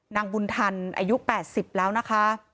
นางบุญทันอายุ๘๐แล้วนะคะ